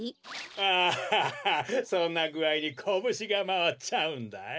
アハハハそんなぐあいにコブシがまわっちゃうんだよ。